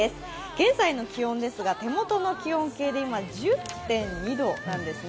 現在の気温ですが、手元の気温計で今１０．２度なんですね。